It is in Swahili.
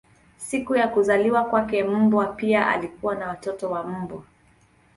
Siku ya kuzaliwa kwake mbwa pia alikuwa na watoto wa mbwa.